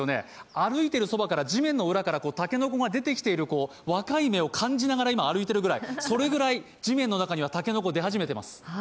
歩いているそばから地面の裏から竹の子が出てきている若い芽を感じながら歩いている、それぐらい地面の中には竹の子が出始めています。